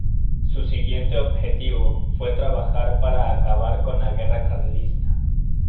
Su siguiente objetivo fue trabajar para acabar con la guerra carlista.